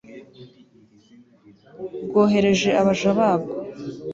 bwohereje abaja babwo